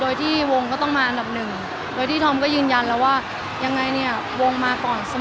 โดยที่วงก็ต้องมาอันดับหนึ่งโดยที่ธอมก็ยืนยันแล้วว่ายังไงเนี่ยวงมาก่อนเสมอ